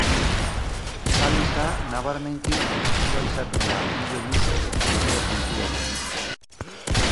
Kaliza, nabarmenki iletsua izaten da, ile luze eta lodiak dituena.